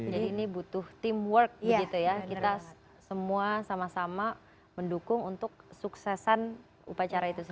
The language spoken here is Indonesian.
jadi ini butuh teamwork begitu ya kita semua sama sama mendukung untuk suksesan upacara itu sendiri